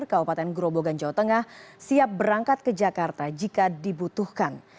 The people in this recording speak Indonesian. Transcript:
kabupaten grobogan jawa tengah siap berangkat ke jakarta jika dibutuhkan